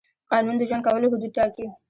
قانون د ژوند کولو حدود ټاکي.